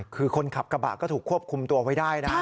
คือคนขับกระบะก็ถูกควบคุมตัวไว้ได้นะ